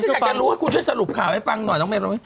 ฉันอยากจะรู้คุณช่วยสรุปข่าวให้ปังหน่อยน้องเมฆน้องเมฆ